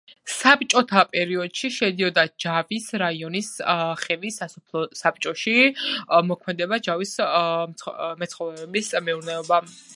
საბჭოთა პერიოდში შედიოდა ჯავის რაიონის ხვწის სასოფლო საბჭოში, მოქმედებდა ჯავის მეცხოველეობის მეურნეობა.